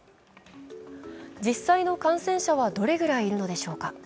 実際の感染者はどれぐらいいるのでしょうか。